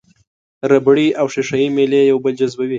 ربړي او ښيښه یي میلې یو بل جذبوي.